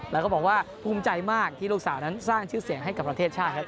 แล้วก็บอกว่าภูมิใจมากที่ลูกสาวนั้นสร้างชื่อเสียงให้กับประเทศชาติครับ